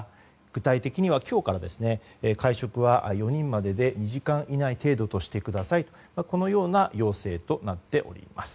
具体的には今日から会食は４人までで２時間以内程度としてくださいとこのような要請となっています。